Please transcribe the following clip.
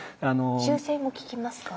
修正もききますか？